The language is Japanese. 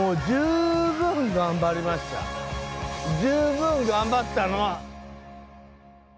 ・十分頑張ったの！